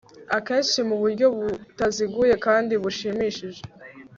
akenshi mu buryo butaziguye kandi bushimishije